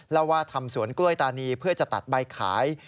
แล้วว่าทำสวนกล้วยตานีเพื่อจะตัดใบขาย